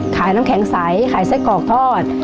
ขายน้ำแข็งใสขายไส้กรอกทอด